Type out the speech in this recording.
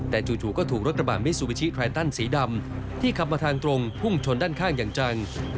แต่จู่ก็ถูกรถกระบาดมิซูบิชิไรตันสีดำที่ขับมาทางตรงพุ่งชนด้านข้างอย่างจัง